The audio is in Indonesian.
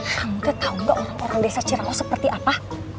kamu teh tau gak orang orang desa ciraos seperti apa